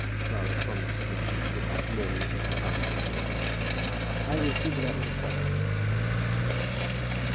Clara promised her that she should have mourning to her heart's content. "I will see to that myself," she said.